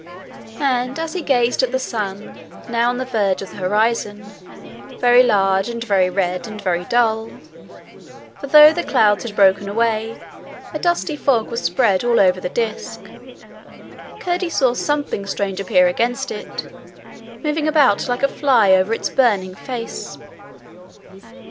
And as he gazed at the sun, now on the verge of the horizon, very large and very red and very dull for though the clouds had broken away a dusty fog was spread all over the disc Curdie saw something strange appear against it, moving about like a fly over its burning face.